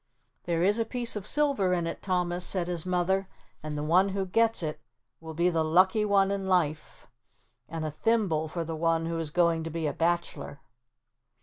"There is a piece of silver in it, Thomas," said his mother, "and the one who gets it will be the lucky one in life, and a thimble for the one who is going to be a bachelor."